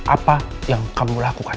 apa yang kamu lakukan